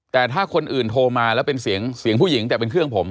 แต่ถ้าคนอื่นโทรมาแล้วเป็นเสียงผู้หญิงแต่เป็นเครื่องผม